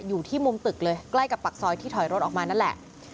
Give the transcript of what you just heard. อยู่ที่มุมตึกเลยใกล้กับปากซอยที่ถอยรถออกมานั่นแหละ